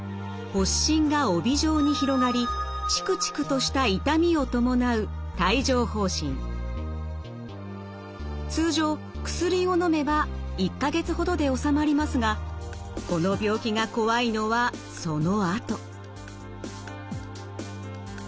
発疹が帯状に広がりチクチクとした痛みを伴う通常薬をのめば１か月ほどで治まりますがこの病気が怖いのはそのあと。